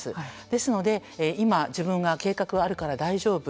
ですので今自分が計画はあるから大丈夫。